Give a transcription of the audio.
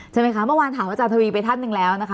ใช่ไหมคะเมื่อวานถามอาจารย์ทวีไปท่านหนึ่งแล้วนะคะ